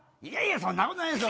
そんなことないですよ